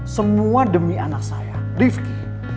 semua demi anak saya rifki